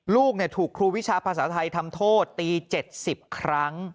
ลูกถูกครูวิชาภาษาไทยทำโทษตี๗๐ครั้ง